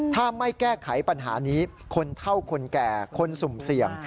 ถ้าไม่แก้ไขปัญหานี้คนเท่าคนแก่คนสุ่มเสี่ยง